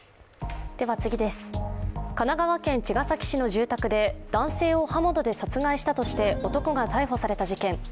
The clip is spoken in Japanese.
神奈川県茅ヶ崎市の住宅で男性を刃物で殺害したとして男が逮捕された事件。